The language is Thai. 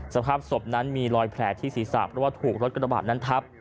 สภาพศพนั้นมีรอยแผลที่ศีรษะเพราะว่าถูกรถกระบาดนั้นทับ